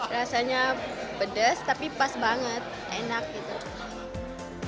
rasanya pedes tapi pas banget enak gitu